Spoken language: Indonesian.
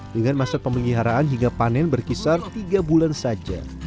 dengan masa pemeliharaan hingga panen berkisar tiga bulan saja